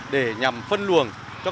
để nhằm phân luồng cho các nhà trường